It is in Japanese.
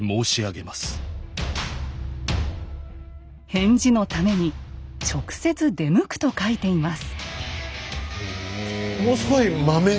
返事のために直接出向くと書いています。